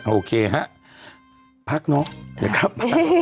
โอเคฮะพักเนาะเดี๋ยวกลับมา